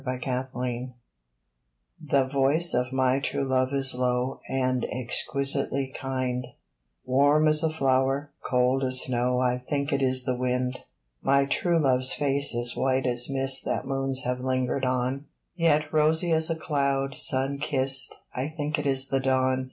The Lost Name THE voice of my true love is low And exquisitely kind, Warm as a flower, cold as snow I think it is the Wind. My true love's face is white as mist That moons have lingered on, Yet rosy as a cloud, sun kissed I think it is the Dawn.